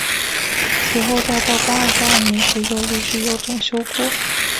此后在道光二十二年时又陆续有整修过。